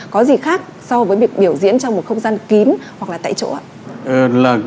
có gì khác so với việc biểu diễn trong một không gian kín hoặc là tại chỗ